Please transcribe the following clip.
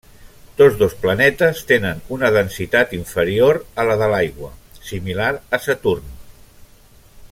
Tots dos planetes tenen una densitat inferior a la de l'aigua, similar a Saturn.